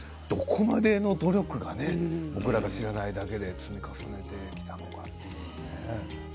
だから、どこまでの努力が僕らが知らないだけで積み重ねてきたのかってね。